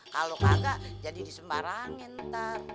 kalau kagak jadi disembarangin